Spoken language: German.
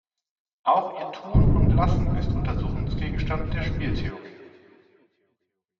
Auch ihr Tun und Lassen ist Untersuchungsgegenstand der Spieltheorie.